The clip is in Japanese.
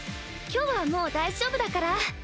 今日はもう大丈夫だから。